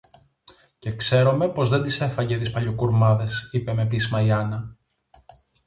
Και ξέρομε πως δεν τις έφαγε τις παλιοκουρμάδες, είπε με πείσμα η Άννα.